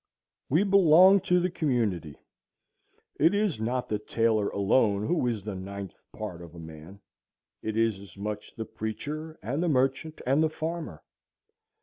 We belong to the community. It is not the tailor alone who is the ninth part of a man; it is as much the preacher, and the merchant, and the farmer.